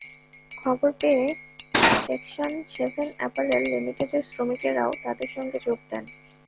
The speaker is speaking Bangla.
খবর পেয়ে সেকশান সেভেন অ্যাপারেল লিমিটেডের শ্রমিকেরাও তাঁদের সঙ্গে যোগ দেন।